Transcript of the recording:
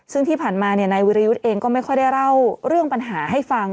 ซึ่งที่ผ่านมานายวิรยุทธ์เองก็ไม่ค่อยได้เล่าเรื่องปัญหาให้ฟัง